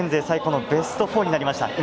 最高のベスト４になりました。